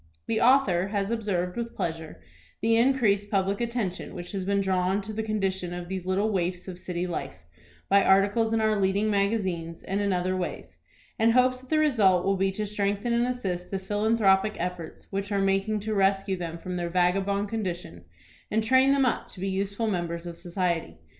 The author has observed with pleasure the increased public attention which has been drawn to the condition of these little waifs of city life, by articles in our leading magazines, and in other ways; and hopes that the result will be to strengthen and assist the philanthropic efforts which are making to rescue them from their vagabond condition, and train them up to be useful members of society.